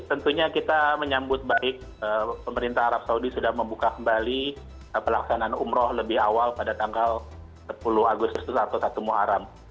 tentunya kita menyambut baik pemerintah arab saudi sudah membuka kembali pelaksanaan umroh lebih awal pada tanggal sepuluh agustus atau satu muharam